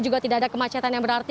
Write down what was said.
juga tidak ada kemacetan yang berarti